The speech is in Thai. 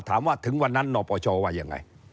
ถามว่าถึงวันนั้นนปชว่ายังไง